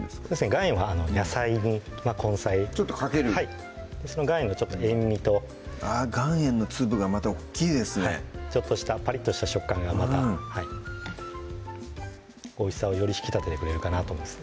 岩塩は野菜に根菜ちょっとかけるその岩塩の塩味と岩塩の粒がまた大っきいですねちょっとしたパリッとした食感がまたおいしさをより引き立ててくれると思います